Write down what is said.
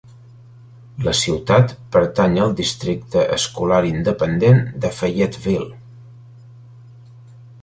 La ciutat pertany al districte escolar independent de Fayetteville.